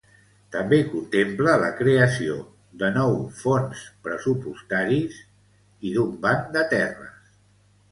També contempla la creació de nou fons pressupostaris i d'un banc de terres.